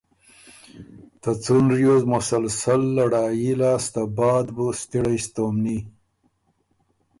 ته څُون ریوز مسلسل لړايي لاسته بعد بُو ستړئ ستومني